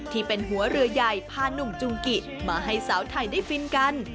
ที่เป็นหัวเรือใหญ่พานุ่มจุงกิมาให้สาวไทยได้ฟินกัน